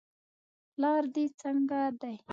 پلار دې څنګه دی.